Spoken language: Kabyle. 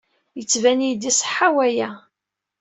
Yettban-iyi-d iṣeḥḥa waya.